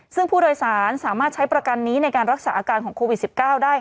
ซึ่งผู้โดยสารสามารถใช้ประกันนี้ในการรักษาอาการของโควิด๑๙ได้